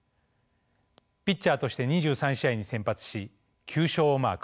ピッチャーとして２３試合に先発し９勝をマーク。